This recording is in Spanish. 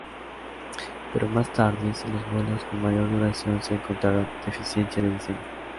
Pero más tarde, en los vuelos con mayor duración, se encontraron deficiencias de diseño.